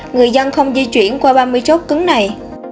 người dân không di chuyển qua ba mươi chốt cứng này